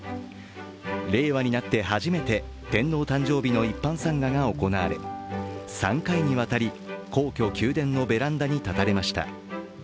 令和になって初めて天皇誕生日の一般参賀が行われ、３回にわたり皇居・宮殿のベランダに立たれました。